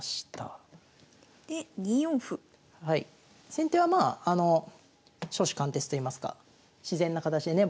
先手はまあ初志貫徹といいますか自然な形でね